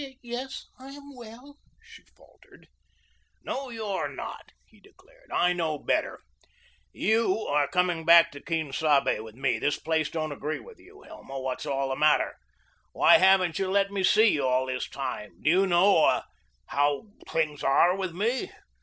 "Yes I am well," she faltered. "No, you're not," he declared. "I know better. You are coming back to Quien Sabe with me. This place don't agree with you. Hilma, what's all the matter? Why haven't you let me see you all this time? Do you know how things are with me?